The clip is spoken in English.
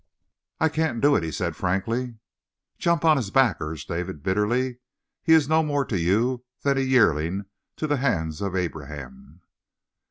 "I can't do it," he said frankly. "Jump on his back," urged David bitterly. "He's no more to you than a yearling to the hands of Abraham."